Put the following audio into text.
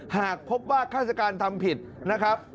หากพบว่าฆาติการทำผิดนะครับ